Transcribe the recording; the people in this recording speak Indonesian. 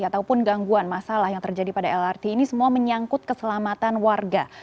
ataupun gangguan masalah yang terjadi pada lrt ini semua menyangkut keselamatan warga